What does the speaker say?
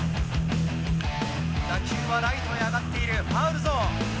打球はライトへ上がっている、ファウルゾーン。